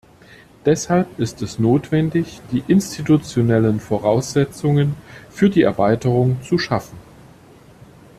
Deshalb ist es notwendig, die institutionellen Voraussetzungen für die Erweiterung zu schaffen.